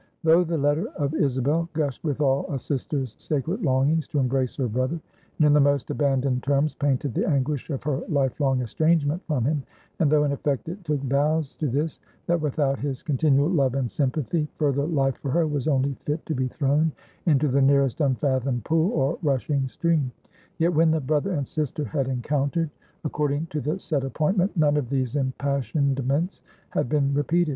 Though the letter of Isabel gushed with all a sister's sacred longings to embrace her brother, and in the most abandoned terms painted the anguish of her life long estrangement from him; and though, in effect, it took vows to this, that without his continual love and sympathy, further life for her was only fit to be thrown into the nearest unfathomed pool, or rushing stream; yet when the brother and the sister had encountered, according to the set appointment, none of these impassionedments had been repeated.